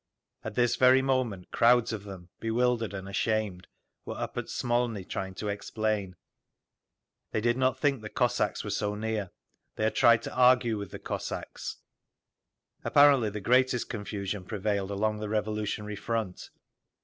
At this very moment crowds of them, bewildered and ashamed, were up at Smolny trying to explain. They did not think the Cossacks were so near…. They had tried to argue with the Cossacks…. Apparently the greatest confusion prevailed along the revolutionary front.